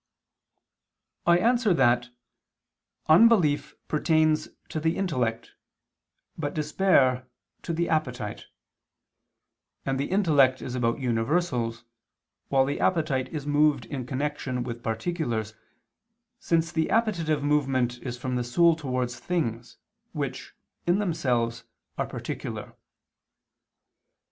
I answer that, Unbelief pertains to the intellect, but despair, to the appetite: and the intellect is about universals, while the appetite is moved in connection with particulars, since the appetitive movement is from the soul towards things, which, in themselves, are particular.